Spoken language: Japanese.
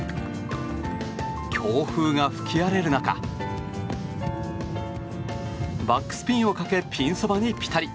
強風が吹き荒れる中バックスピンをかけピンそばにピタリ！